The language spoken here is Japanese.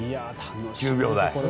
９秒台。